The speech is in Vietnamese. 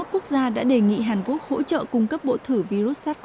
một trăm hai mươi một quốc gia đã đề nghị hàn quốc hỗ trợ cung cấp bộ thử virus sars cov hai